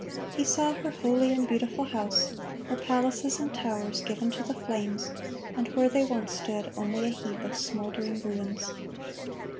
He saw her holy and beautiful house, her palaces and towers, given to the flames, and where once they stood, only a heap of smouldering ruins.